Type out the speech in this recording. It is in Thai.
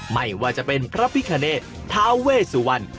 ไม่ว่าจะเป็นพระพิคเนตทาเวสุวรรณ